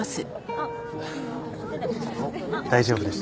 ああ大丈夫です。